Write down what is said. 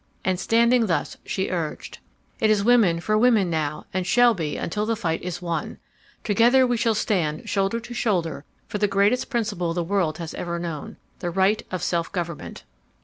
And standing thus she urged: "'It is women for women now and shall be until the fight is won! Together we shall stand shoulder to shoulder for the greatest principle the world has ever known, the right of self government.